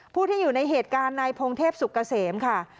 ผู้ที่อยู่ในเหตุการณ์นายพงเทพสุกเกษมค่ะ